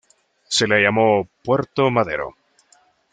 Se la llamó Puerto Madero.